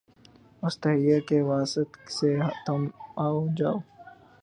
اُس تحیّر کی وساطت سے تُم آؤ جاؤ